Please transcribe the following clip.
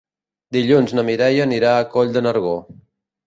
Dilluns na Mireia anirà a Coll de Nargó.